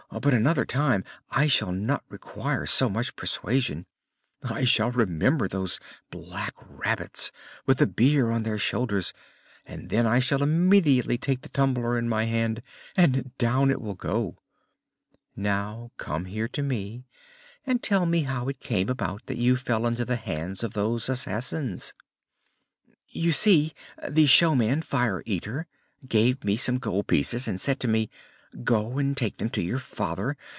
but another time I shall not require so much persuasion. I shall remember those black rabbits with the bier on their shoulders and then I shall immediately take the tumbler in my hand, and down it will go!" "Now, come here to me and tell me how it came about that you fell into the hands of those assassins." "You see, the showman, Fire Eater, gave me some gold pieces and said to me: 'Go, and take them to your father!'